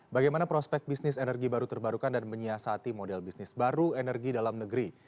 bagaimana prospek bisnis energi baru terbarukan dan menyiasati model bisnis baru energi dalam negeri